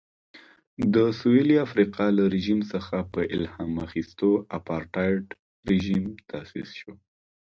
د سوېلي افریقا له رژیم څخه په الهام اخیستو اپارټایډ رژیم تاسیس شو.